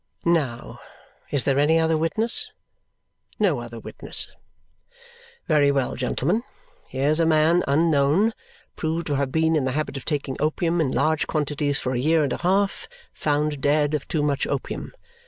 Now. Is there any other witness? No other witness. Very well, gentlemen! Here's a man unknown, proved to have been in the habit of taking opium in large quantities for a year and a half, found dead of too much opium.